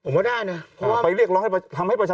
ผมว่าได้นะ